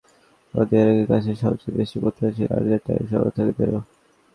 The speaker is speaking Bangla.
পরশু ব্রাজিলের বিপক্ষে ম্যাচে অধিনায়কের কাছেই সবচেয়ে বেশি প্রত্যাশা ছিল আর্জেন্টাইন সমর্থকদেরও।